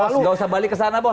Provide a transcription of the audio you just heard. nggak usah balik ke sana bos